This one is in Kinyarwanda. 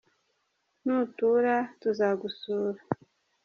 Nutura tuzagusura